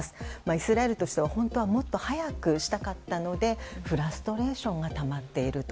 イスラエルとしては本当はもっと早くしたかったのでフラストレーションがたまっていると。